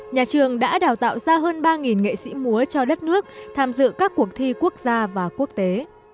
nhà trường đã đào tạo ra hơn ba nghệ sĩ múa cho đất nước tham dự các cuộc thi quốc gia và quốc tế